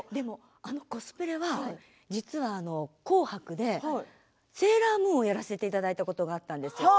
あのコスプレは「紅白」で実はセーラームーンをやらせていただいたことがあったんですよ。